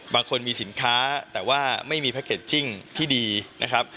บางคนมีสินค้าแต่ว่าไม่มีแพ็กเกจจิ้งที่ดีนะครับ